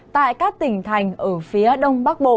tại các tỉnh thành ở phía đông bắc bộ